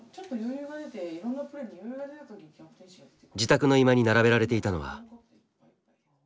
自宅の居間に並べられていたのは。